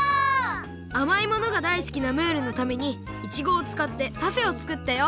あまいものがだいすきなムールのためにイチゴをつかってパフェをつくったよ！